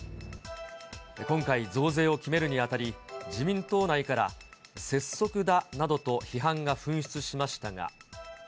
今回、増税を決めるにあたり、自民党内から拙速だなどと批判が噴出しましたが。